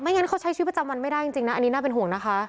งั้นเขาใช้ชีวิตประจำวันไม่ได้จริงนะอันนี้น่าเป็นห่วงนะคะ